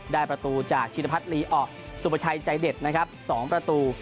ได้ประตูจากชินพัฒนลีออกสุประชัยใจเด็ดนะครับ๒ประตู